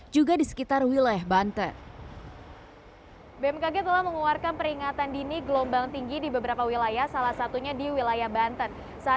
juga di sekitar wilayah banten